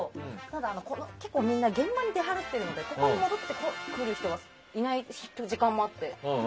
ただ、結構みんな現場に出払ってるのでここに戻ってくる人がいない時間もあって。